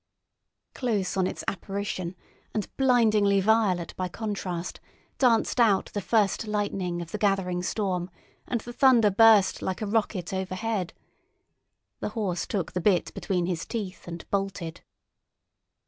Close on its apparition, and blindingly violet by contrast, danced out the first lightning of the gathering storm, and the thunder burst like a rocket overhead. The horse took the bit between his teeth and bolted.